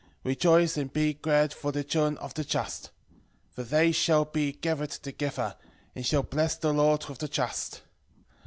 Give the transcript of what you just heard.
13:13 Rejoice and be glad for the children of the just: for they shall be gathered together, and shall bless the Lord of the just.